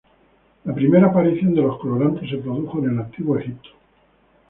La primera aparición de los colorantes se produjo en el antiguo Egipto.